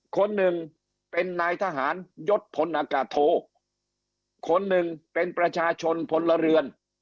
คนหนึ่งเป็นประชาชนพลเรือ